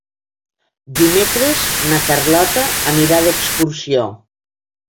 Dimecres na Carlota anirà d'excursió.